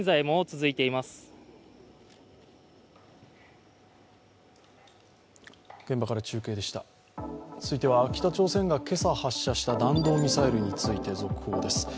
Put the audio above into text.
続いては、北朝鮮が今朝発射した弾道ミサイルについて続報です。